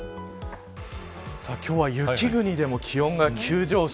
今日は雪国でも気温が急上昇。